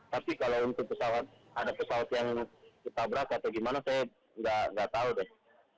tapi kalau untuk pesawat ada pesawat yang ditabrak atau gimana saya nggak tahu deh